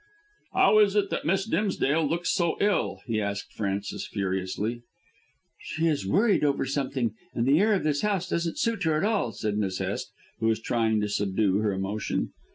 "How is it that Miss Dimsdale looks so ill?" he asked Frances furiously. "She is worried over something, and the air of this house doesn't suit her at all," said Miss Hest, who was trying to subdue her emotion.